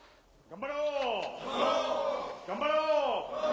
頑張ろう！